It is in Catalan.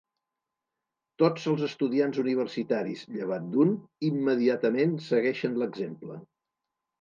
Tots els estudiants universitaris, llevat d'un, immediatament segueixen l'exemple.